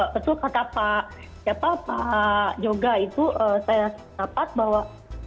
betul kata pak joga itu saya dapat bahwa